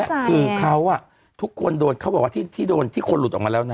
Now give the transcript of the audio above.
คือเขาอ่ะทุกคนโดนเขาบอกว่าที่โดนที่คนหลุดออกมาแล้วนะ